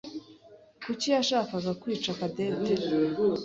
Kuki yashaka kwica Cadette?